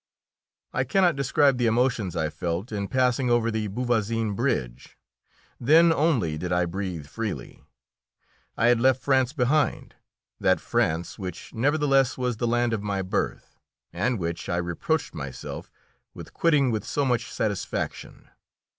I cannot describe the emotions I felt in passing over the Beauvoisin Bridge. Then only did I breathe freely. I had left France behind, that France which nevertheless was the land of my birth, and which I reproached myself with quitting with so much satisfaction.